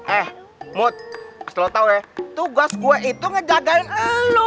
eh mut harus lo tau ya tugas gue itu ngejagain elu